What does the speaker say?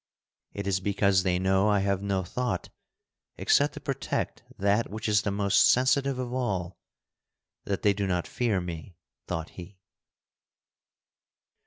"It is because they know I have no thought except to protect that which is the most sensitive of all, that they do not fear me," thought he.